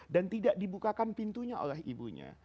dan tidak dibukakan pintunya oleh ibunya